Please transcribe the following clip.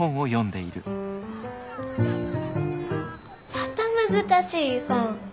また難しい本。